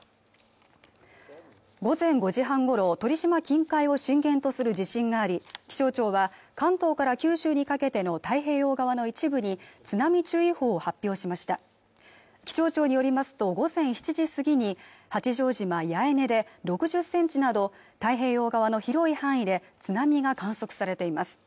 午前５時半ごろ鳥島近海を震源とする地震があり気象庁は関東から九州にかけての太平洋側の一部に津波注意報を発表しました気象庁によりますと午前７時過ぎに八丈島八重根で６０ｃｍなど太平洋側の広い範囲で津波が観測されています